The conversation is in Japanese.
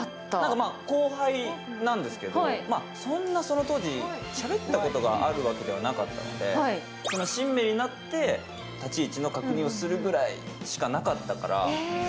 後輩なんですけど、そんなその当時しゃべったことがあるわけではなかったので、シンメになって立ち位置の確認をするぐらいしかなかったから。